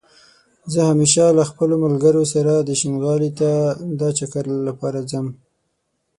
زه همېشه له خپلو ملګرو سره شينغالى ته دا چکر لپاره ځم